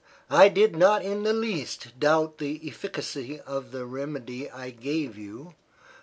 "I did not in the least doubt the efficacy of the remedy I gave you.